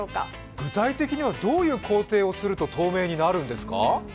具体的にはどういう工程をすると透明になるんですか？